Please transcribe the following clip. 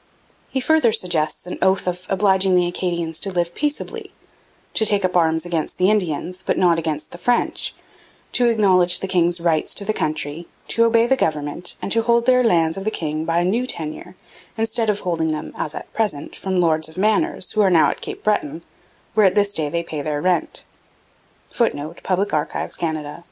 He further suggests an 'oath of obliging the Acadians to live peaceably,' to take up arms against the Indians, but not against the French, to acknowledge the king's right to the country, to obey the government, and to hold their lands of the king by a new tenure, 'instead of holding them (as at present) from lords of manors who are now at Cape Breton, where at this day they pay their rent.' [Footnote: Public Archives, Canada.